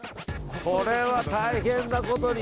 これは大変なことに。